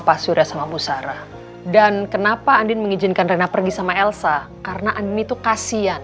pasir ya sama musara dan kenapa andi mengizinkan rena pergi sama elsa karena andi itu kasihan